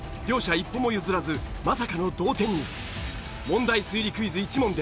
一歩も譲らずまさかの同点に。